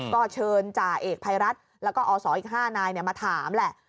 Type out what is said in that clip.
ก็เชิญจ่าเอกภัยรัฐแล้วก็อศอีก๕นายมาถามแหละ